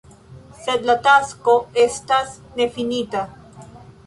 Sed la tasko estas nefinita.